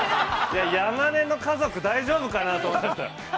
◆山根の家族、大丈夫かなって。